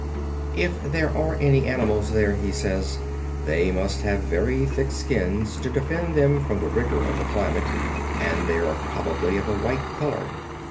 If there be any animals there, he says, they must have very thick skins to defend them from the rigor of the climate, and they are probably of a white color.